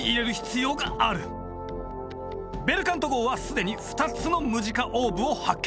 ベルカント号は既に２つのムジカオーブを発見。